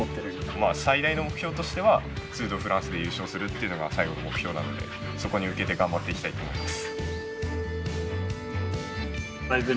まあ最大の目標としてはツール・ド・フランスで優勝するというのが最後の目標なのでそこに向けて頑張っていきたいと思います。